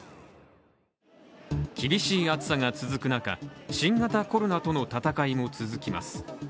厳しい暑さが続く中新型コロナとの闘いも続きます。